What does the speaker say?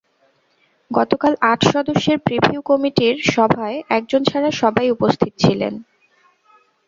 গতকাল আট সদস্যের প্রিভিউ কমিটির সভায় একজন ছাড়া সবাই উপস্থিত ছিলেন।